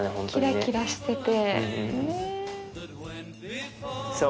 キラキラしてて。